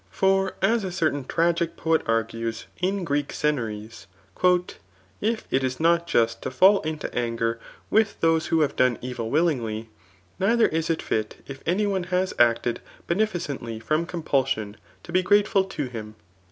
For [as a certain tragic poet argues in Greek senaries,] " If it is not just to fall into anger with those who have done evil willingly ; neither is it fit, if any one has acted beneficently! from compulsion, to be grateful to him.